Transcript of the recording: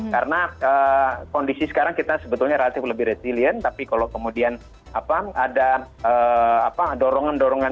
karena kondisi sekarang kita sebetulnya relatif lebih resilient tapi kalau kemudian apa ada dorongan dorongan